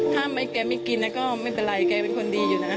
ถ้าแกไม่กินก็ไม่เป็นไรแกเป็นคนดีอยู่นะ